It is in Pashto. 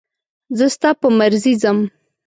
زه ستا په مرضي ځم.